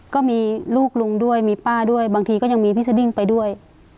ก็มีลูกลุงด้วยมีป้าด้วยบางทีก็ยังมีพี่สดิ้งไปด้วย